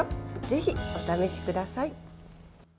ぜひ、お試しください。